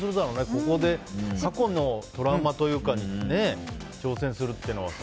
ここで過去のトラウマというかに挑戦するというのはさ。